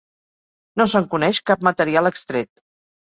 No se'n coneix cap material extret.